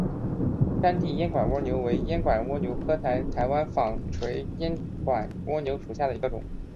山地烟管蜗牛为烟管蜗牛科台湾纺锤烟管蜗牛属下的一个种。